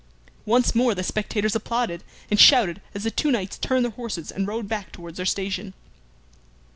Once more the spectators applauded and shouted as the two knights turned their horses and rode back towards their station.